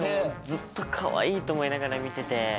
ずっとかわいいと思いながら見てて。